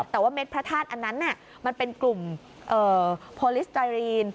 แต่ว่าเม็ดพระธาตุอันนั้นมันเป็นกลุ่มโพลิสไตรีน